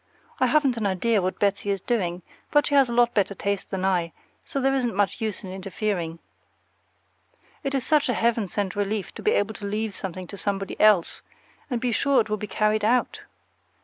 I haven't an idea what Betsy is doing; but she has a lot better taste than I, so there isn't much use in interfering. It is such a heaven sent relief to be able to leave something to somebody else, and be sure it will be carried out!